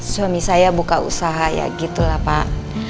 suami saya buka usaha ya gitu lah pak